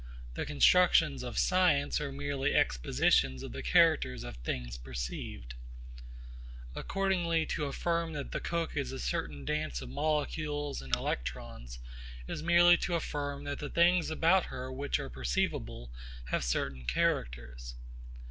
The constructions of science are merely expositions of the characters of things perceived. Accordingly to affirm that the cook is a certain dance of molecules and electrons is merely to affirm that the things about her which are perceivable have certain characters.